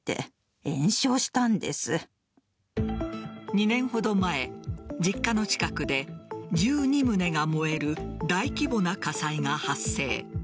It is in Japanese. ２年ほど前、実家の近くで１２棟が燃える大規模な火災が発生。